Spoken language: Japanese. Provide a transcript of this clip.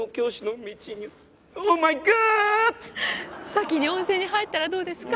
先に温泉に入ったらどうですか？